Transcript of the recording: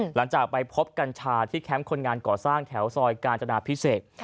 หลังจากไปพบกัญชาที่แคมป์คนงานก่อสร้างแถวซอยกาญจนาพิเศษ